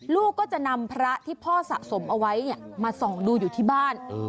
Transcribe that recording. ลูกก็จะนำพระที่พ่อสะสมเอาไว้มาส่องดูอยู่ที่บ้าน